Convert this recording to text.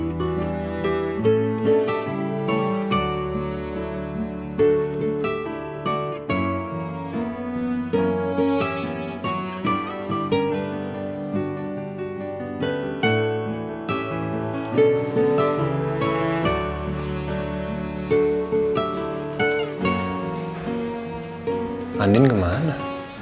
mbak andi kemana